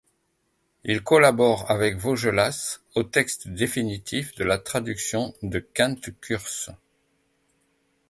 Il collabore avec Vaugelas au texte définitif de la traduction de Quinte-Curce.